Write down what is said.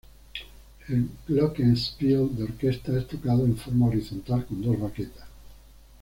El "glockenspiel" de orquesta es tocado en forma horizontal con dos baquetas.